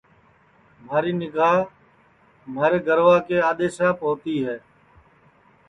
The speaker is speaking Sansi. مہاری نیگھا مہارے گَروا کے آدؔیساپ ہوتی ہے